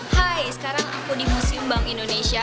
hai sekarang aku di museum bank indonesia